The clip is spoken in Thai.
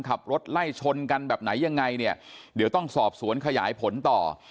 ขับรถไล่ชนกันแบบไหนยังไงเนี่ยเดี๋ยวต้องสอบสวนขยายผลต่อ